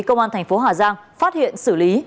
công an thành phố hà giang phát hiện xử lý